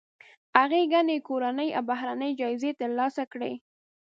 هغې ګڼې کورنۍ او بهرنۍ جایزې ترلاسه کړي.